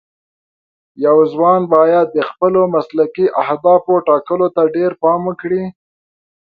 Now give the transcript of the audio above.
یو ځوان باید د خپلو مسلکي اهدافو ټاکلو ته ډېر پام وکړي.